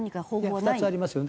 ２つありますよ。